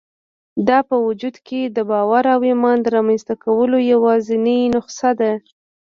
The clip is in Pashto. دا په وجود کې د باور او ايمان د رامنځته کولو يوازېنۍ نسخه ده.